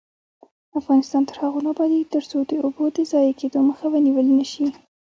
افغانستان تر هغو نه ابادیږي، ترڅو د اوبو د ضایع کیدو مخه ونیول نشي.